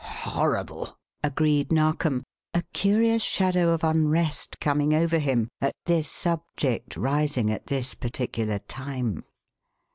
"Horrible!" agreed Narkom, a curious shadow of unrest coming over him at this subject rising at this particular time.